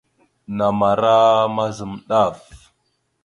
Namara mazam ɗaf.